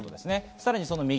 さらに右。